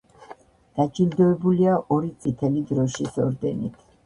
დაჯილდოებულია ორი წითელი დროშის ორდენით.